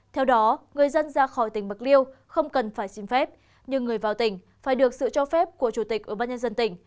theo đó người dân ra khỏi tỉnh bạc liêu không cần phải xin phép nhưng người vào tỉnh phải được sự cho phép của chủ tịch ủy ban nhân dân tỉnh